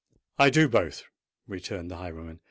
"I do both," returned the highwayman.